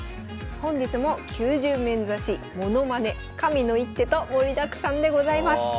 本日も「９０面指し」「ものまね」「神の一手」と盛りだくさんでございます。